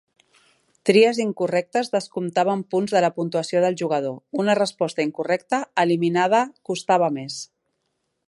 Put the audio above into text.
Tries incorrectes descomptaven punts de la puntuació del jugador; una resposta incorrecta eliminada costava més.